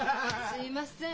すいません。